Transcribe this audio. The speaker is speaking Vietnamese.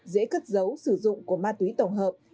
dễ cất dấu sử dụng của ma túy tổng hợp